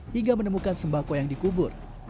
hingga menemukan sembako yang dikubur